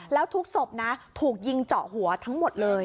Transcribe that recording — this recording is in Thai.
แล้วทุกศพนะถูกยิงเจาะหัวทั้งหมดเลย